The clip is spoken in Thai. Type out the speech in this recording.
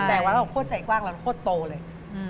แปลว่าเราโคตรใจกว้างเราโคตรโตเลย